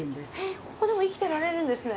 えっここでも生きてられるんですね？